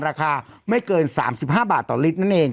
ราคาไม่เกินสามสิบห้าบาทต่อลิตรนั่นเอง